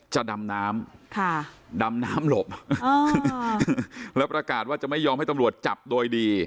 จะดำน้ำดำน้ำหลบแล้วประกาศว่าจะไม่ยอมให้ตำรวจจับโดยดี